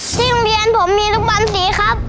ที่โรงเรียนผมมีลูกบอลสีครับ